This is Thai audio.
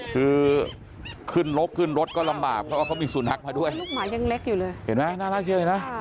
คือขึ้นลกขึ้นรถก็ลำบากเพราะว่าเขามีสุนัขมาด้วยลูกหมายังเล็กอยู่เลยเห็นไหมน่าเชื่อเลยนะ